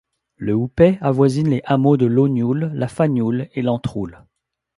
Le Houpet avoisine les hameaux de Lognoul, La Fagnoul et Lantroul.